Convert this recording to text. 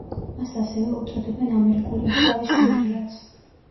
მას ასევე უწოდებენ ამერიკული ოსკარის შემცვლელს.